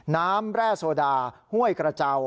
แร่โซดาห้วยกระเจ้า